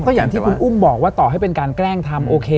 ก็อย่างที่คุณอุ้มบอกว่าต่อให้เป็นการแกล้งทำโอเค